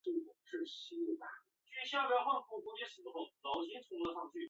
但仅仅十年后图书馆就已用满了扩建部分。